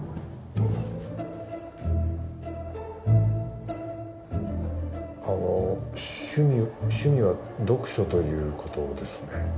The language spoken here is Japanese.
どうもあの趣味趣味は読書ということですね